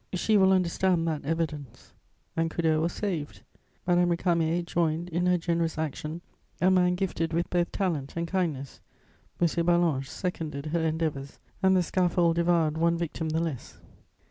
she will understand that evidence...' and Coudert was saved. Madame Récamier joined in her generous action a man gifted with both talent and kindness: M. Ballanche seconded her endeavours, and the scaffold devoured one victim the less.